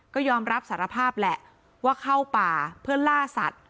ก็ยอมรับสารภาพแหละว่าเข้าป่าเพื่อล่าสัตว